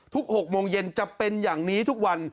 ๖โมงเย็นจะเป็นอย่างนี้ทุกวัน